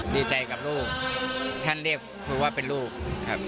ดีใจกับลูกท่านเรียกคือว่าเป็นลูกครับ